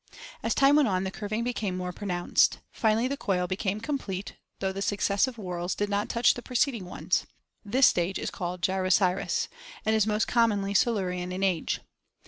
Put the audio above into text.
As time went on the curving became more pronounced. Finally the coil became complete, though the successive whorls did not touch the preceding ones; this stage is called Gyroceras (Fig. 100) and is most commonly Silurian in age.